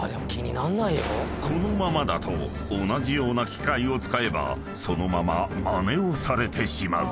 ［このままだと同じような機械を使えばそのまままねをされてしまう。